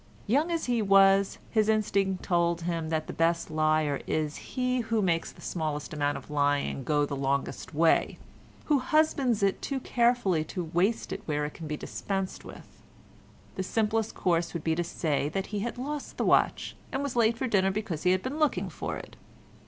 Young as he was, his instinct told him that the best liar is he who makes the smallest amount of lying go the longest way—who husbands it too carefully to waste it where it can be dispensed with. The simplest course would be to say that he had lost the watch, and was late for dinner because he had been looking for it.